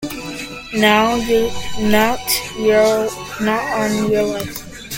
Not on your life!